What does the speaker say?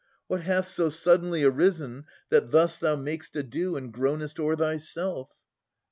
What hath so suddenly arisen, that thus Thou mak'st ado and groanest o'er thyself?